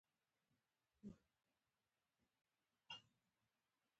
چې هسې نه یو وخت خاني ورڅخه واخلي.